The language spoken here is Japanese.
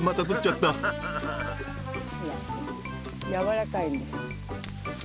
ほらやわらかいんです。